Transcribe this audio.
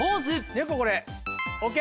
猫これＯＫ。